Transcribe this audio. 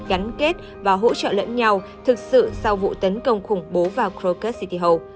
gắn kết và hỗ trợ lẫn nhau thực sự sau vụ tấn công khủng bố vào krakow